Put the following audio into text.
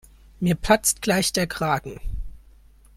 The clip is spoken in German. Mir platzt gleich der Kragen.